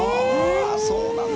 そうなんだ。